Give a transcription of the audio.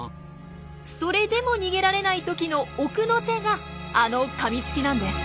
それでも逃げられない時の奥の手があの「かみつき」なんです。